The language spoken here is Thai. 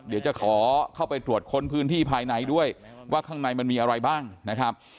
เดี๋ยวจะขอเข้าไปตรวจค้นพื้นที่ภายในด้วยว่าข้างในมันมีอะไรบ้างนะครับ